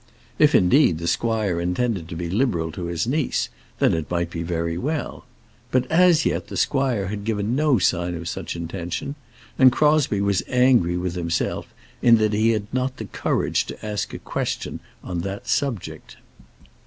If, indeed, the squire intended to be liberal to his niece, then it might be very well. But as yet the squire had given no sign of such intention, and Crosbie was angry with himself in that he had not had the courage to ask a question on that subject.